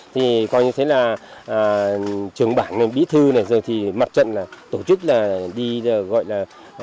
thì coi như thế là trưởng bản này bí thư này rồi thì mặt trận là tổ chức là đi gọi là